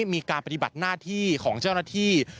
ปฏิบัติหน้าที่ของเจ้าหน้าที่